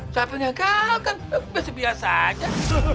saya punya kau kan biasa biasa aja